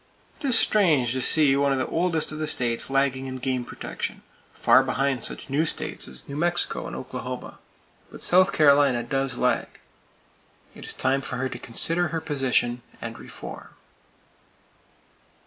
It is strange to see one of the oldest of the states lagging in game protection, far behind such new states as New Mexico and Oklahoma; but South Carolina does lag. It is time for her to consider her position, and reform.